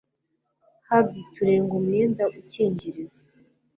Hb turenga umwenda ukingiriza